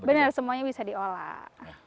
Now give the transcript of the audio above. benar semuanya bisa diolah